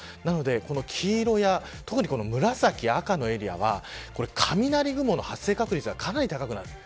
なので、黄色や特に紫赤のエリアは雷雲の発生確率がかなり高くなっている。